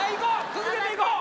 続けていこう！